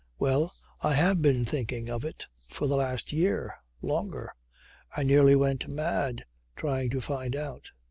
Well I have been thinking of it for the last year. Longer. I nearly went mad trying to find out.